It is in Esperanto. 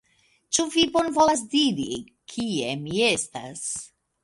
Ĉu vi bonvolas diri, kie mi estas?